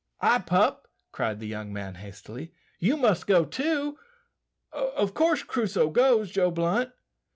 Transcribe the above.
"Ah, pup," cried the young man hastily, "you must go too. Of course Crusoe goes, Joe Blunt?"